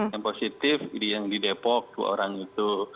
yang positif yang di depok dua orang itu